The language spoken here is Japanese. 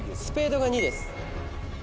スペードが２です